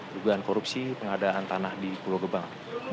dugaan korupsi pengadaan tanah di pulau gebang